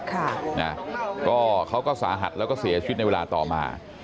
ค่ะนะก็เขาก็สาหัสแล้วก็เสียชีวิตในเวลาต่อมา